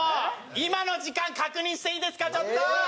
今の時間確認していいですかちょっと！